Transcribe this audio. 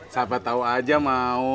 siapa tahu aja mau